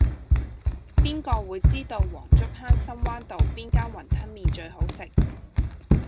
邊個會知道黃竹坑深灣道邊間雲吞麵最好食